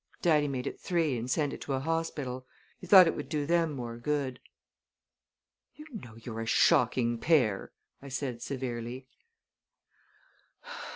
"Daddy made it three and sent it to a hospital. He thought it would do them more good." "You know, you're a shocking pair!" I said severely.